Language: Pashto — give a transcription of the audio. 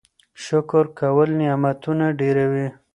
شکر کول نعمتونه ډیروي.